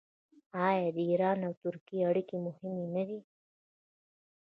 آیا د ایران او ترکیې اړیکې مهمې نه دي؟